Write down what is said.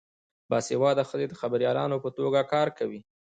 باسواده ښځې د خبریالانو په توګه کار کوي.